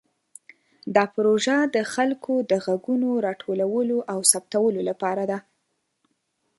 دا پروژه د خلکو د غږونو راټولولو او ثبتولو لپاره ده.